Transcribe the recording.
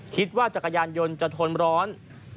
คิดว่าจักรยานยนต์จะทนร้อน